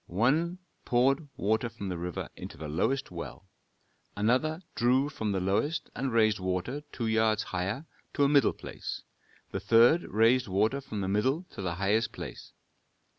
One poured water from the river into the lowest well; another drew from the lowest and raised water two yards higher to a middle place; the third raised water from the middle to the highest place.